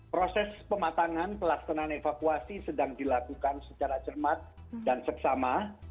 proses pematangan pelaksanaan evakuasi sedang dilakukan secara cermat dan seksama